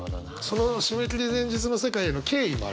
その締め切り前日の世界への敬意もあるわけですね。